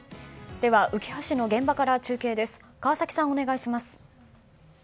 では、うきは市の現場から中継です。